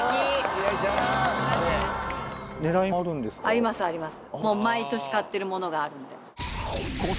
ありますあります。